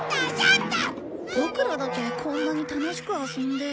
ボクらだけこんなに楽しく遊んで。